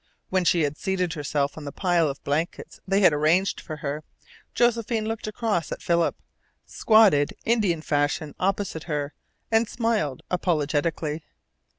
When she had seated herself on the pile of blankets they had arranged for her, Josephine looked across at Philip, squatted Indian fashion opposite her, and smiled apologetically.